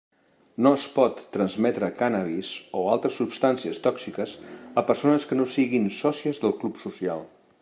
No es pot transmetre cànnabis o altres substàncies tòxiques a persones que no siguin sòcies del Club social.